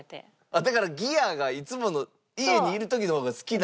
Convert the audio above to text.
あっだからギアがいつもの家にいる時の方が好きなんですね。